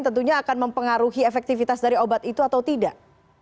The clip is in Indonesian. tentunya akan mempengaruhi efektivitas dari obat itu atau tidak